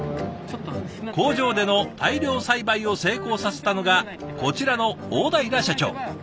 工場での大量栽培を成功させたのがこちらの大平社長。